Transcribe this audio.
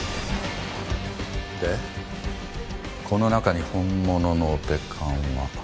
でこの中に本物のオペ看は？